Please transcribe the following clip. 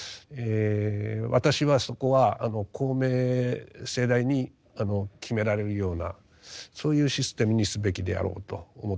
私はそこは公明正大に決められるようなそういうシステムにすべきであろうと思ってます。